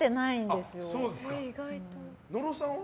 野呂さんは？